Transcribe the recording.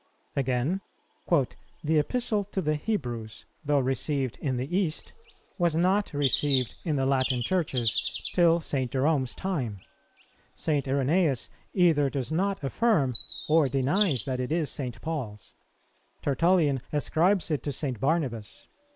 [124:2] Again: "The Epistle to the Hebrews, though received in the East, was not received in the Latin Churches till St. Jerome's time. St. Irenæus either does not affirm, or denies that it is St. Paul's. Tertullian ascribes it to St. Barnabas.